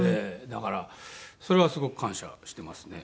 だからそれはすごく感謝してますね。